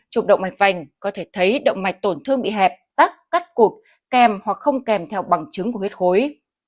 chụp động mạch vành có thể thấy động mạch tổn thương bị hẹp tắc cắt cụt kèm hoặc không kèm theo bằng chứng của huyết khối